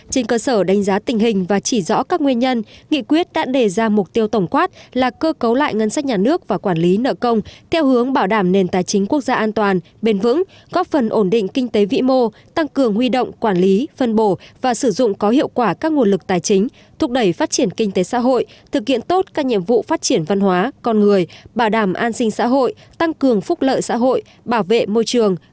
trên cơ sở đánh giá tình hình và chỉ rõ các nguyên nhân nghị quyết đã đề ra mục tiêu tổng quát là cơ cấu lại ngân sách nhà nước và quản lý nợ công theo hướng bảo đảm nền tài chính quốc gia an toàn biển vững góp phần ổn định kinh tế vĩ mô tăng cường huy động quản lý phân bổ và sử dụng có hiệu quả các nguồn lực tài chính thúc đẩy phát triển kinh tế xã hội thực hiện tốt các nhiệm vụ phát triển văn hóa con người bảo đảm an sinh xã hội tăng cường phúc lợi xã hội bảo vệ môi trường